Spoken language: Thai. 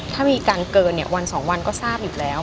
ถ้ามีการเกินวัน๒วันก็ทราบอยู่แล้ว